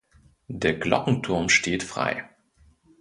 Der Glockenturm steht frei.